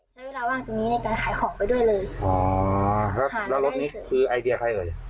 ใช้เวลาว่างตรงนี้ในการขายของไปด้วยเลยอ๋อแล้วค่ะแล้วรถนี้คือไอเดียใครเอ่ย